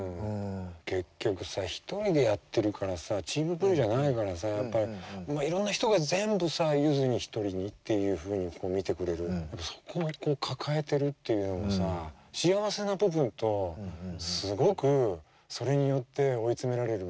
結局さ一人でやってるからさチームプレーじゃないからさやっぱりいろんな人が全部ゆづに一人にっていうふうに見てくれるそこを抱えてるっていうのがさ幸せな部分とすごくそれによって追い詰められる部分っていうのがあるよね。